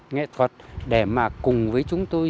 nghệ thuật để mà cùng với chúng tôi